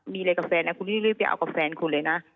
มีอะไรกับแฟนนะคุณรีบไปเอากับแฟนคุณเลยนะ